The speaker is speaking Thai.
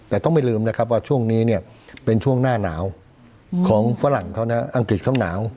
แต่ต้องไม่ลืมนะครับว่าช่วงนี้เนี่ยเป็นช่วงหน้าหนาวของฝรั่งเขานะอังกฤษเขาหนาว